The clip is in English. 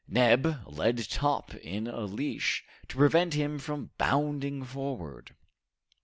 Neb led Top in a leash, to prevent him from bounding forward.